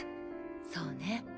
そうね。